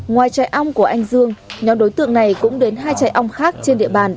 ngoài trại ong của anh dương nhóm đối tượng này cũng đến hai chạy ong khác trên địa bàn